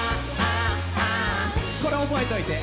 これ覚えといて。